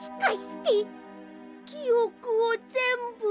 きおくをぜんぶ。